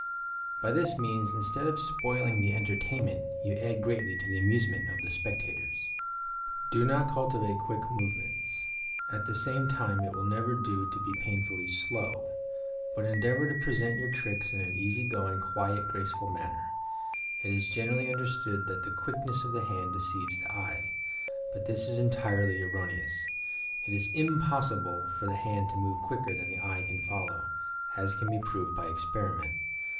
By this means, instead of spoiling the entertainment, you add greatly to the amusement of the spectators. Do not cultivate quick movements; at the same time it will never do to be painfully slow; but endeavor to present your tricks in an easy going, quiet, graceful manner. It is generally understood that "the quickness of the hand deceives the eye," but this is entirely erroneous. It is impossible for the hand to move quicker than the eye can follow, as can be proved by experiment.